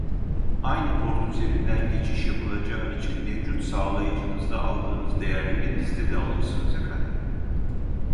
Aynı port üzerinden geçiş yapılacağı için mevcut sağlayıcınızda aldığınız değerleri bizde de alırsınız efendim